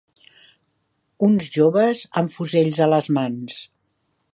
Uns joves, amb fusells a les mans